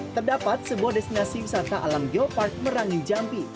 terdapat sebuah destinasi wisata alam geopark merangi jambi